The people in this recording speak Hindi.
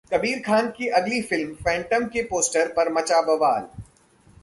कबीर खान की अगली फिल्म 'फैंटम' के पोस्टर पर मचा बवाल